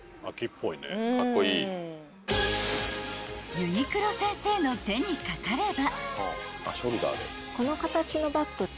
［ユニクロ先生の手にかかれば］